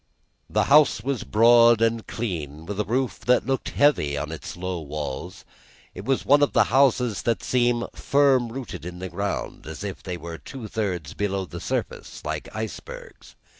The house was broad and clean, with a roof that looked heavy on its low walls. It was one of the houses that seem firm rooted in the ground, as if they were two thirds below the surface, like icebergs.